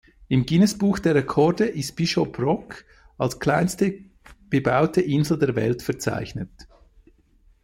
Im Guinnessbuch der Rekorde ist Bishop Rock als kleinste bebaute Insel der Welt verzeichnet.